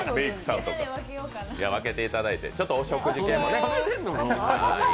分けていただいて、ちょっとお食事系もね。